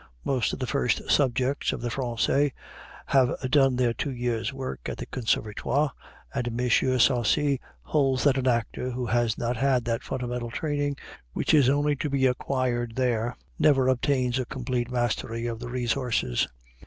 Most of the first subjects of the Français have done their two years' work at the Conservatoire, and M. Sarcey holds that an actor who has not had that fundamental training which is only to be acquired there never obtains a complete mastery of his resources.